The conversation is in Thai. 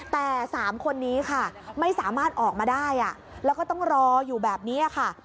แต่๓คนนี้ค่ะไม่สามารถออกมาได้แล้วก็ต้องรออยู่แบบนี้ค่ะ